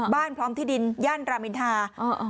พร้อมที่ดินย่านรามอินทา